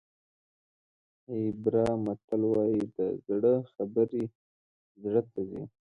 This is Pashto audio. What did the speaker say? هیبرا متل وایي د زړه خبرې زړه ته ځي.